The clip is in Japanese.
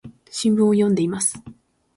新聞を読んでいます。